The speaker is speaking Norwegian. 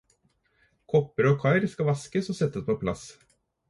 Kopper og kar skal vaskes og settes på plass.